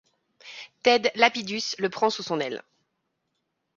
Ted Lapidus le prend sous son aile.